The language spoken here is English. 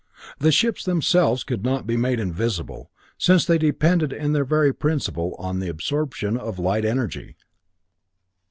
The ships themselves could not be made invisible, since they depended in their very principle on the absorption of light energy.